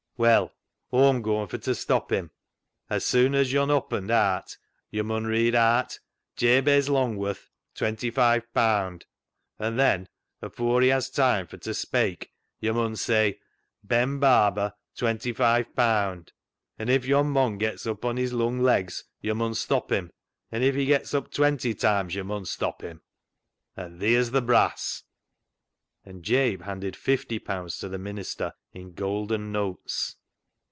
Well, Aw'm gooin' fur t' stop him. As soon as yo'n oppened aat, yo mun read aat, ' Jabez Longworth, twenty five paand,' an' then, afoor he has time fur t' speik, yo' mun say, ' Ben Barber, twenty five paand.' An' if yon mon gets up on his lung legs yo' mun stop him, an' if he gets up twenty toimes yo' mun stop him, — and theer's th' brass." And Jabe handed fifty pounds to the minister in gold and notes.